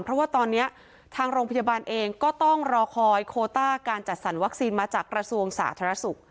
เพราะว่าตอนนี้ทางโรงพยาบาลเองก็ต้องรอคอยโคต้าการจัดสรรวัคซีนมาจากกระทรวงสาธารณสุข